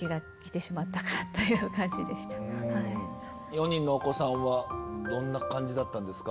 ４人のお子さんはどんな感じだったんですか？